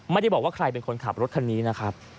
ไม่ได้บอกว่าใครเป็นคนขับรถคันนี้นะครับ